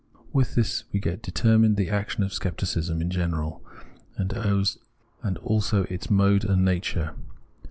With this we get determined the action of Scepticism in general, as also its mode and nature.